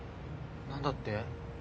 何だって？